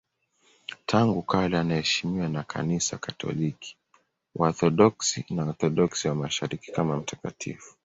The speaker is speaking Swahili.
Tangu kale anaheshimiwa na Kanisa Katoliki, Waorthodoksi na Waorthodoksi wa Mashariki kama mtakatifu.